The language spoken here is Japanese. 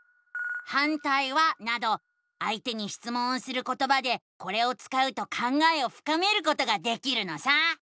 「反対は？」などあいてにしつもんをすることばでこれを使うと考えをふかめることができるのさ！